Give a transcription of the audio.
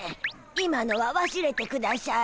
今のはわすれてくだしゃい。